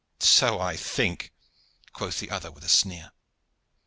"So I think," quoth the other with a sneer.